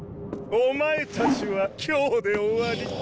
オマエたちは今日で終わり。